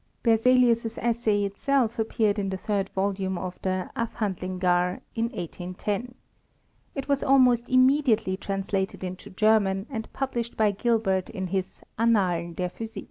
Benielius's essay itself appeared in the third volume of the Afhandlingar, in 1810. It was ahnost im mediately translated into German, and published by Gilbert in his Annalen der Physik.